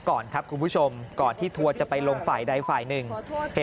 ขอบคุณครับ